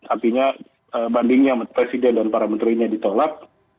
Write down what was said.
artinya bandingnya presiden dan para menterinya ditolak